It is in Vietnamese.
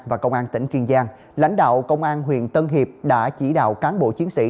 và công an tp hcm lãnh đạo công an huyện tân hiệp đã chỉ đạo cán bộ chiến sĩ